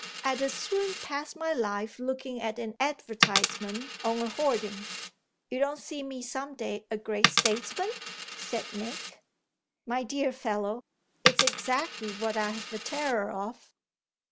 I'd as soon pass my life looking at an advertisement on a hoarding." "You don't see me some day a great statesman?" said Nick. "My dear fellow, it's exactly what I've a terror of."